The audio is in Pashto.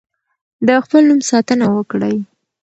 د خپل نوم ساتنه وکړئ.